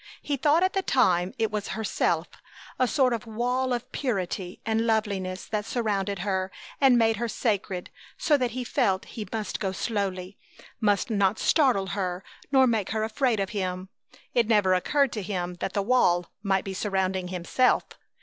He thought at the time it was herself, a sort of wall of purity and loveliness that surrounded her and made her sacred, so that he felt he must go slowly, must not startle her nor make her afraid of him. It never occurred to him that the wall might be surrounding himself.